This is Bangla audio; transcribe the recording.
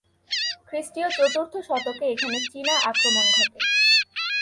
খ্রিস্টীয় চতুর্থ শতকে এখানে চীনা আক্রমণ ঘটে।